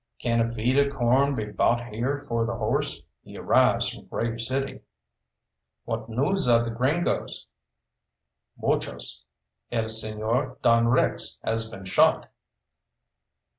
"Can a feed of corn be bought here for the horse? He arrives from Grave City." "What news of the gringoes?" "Muchos. El Señor Don Rex has been shot."